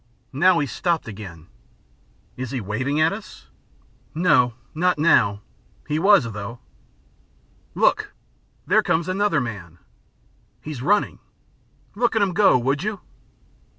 Now he's stopped again." "Is he waving at us?" "No, not now! he was, though." "Look! There comes another man!" "He's running." "Look at him go, would you."